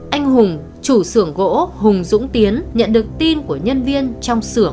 anh hùng chủ xưởng gỗ hùng dũng tiến nhận được tin của nhân viên trong xưởng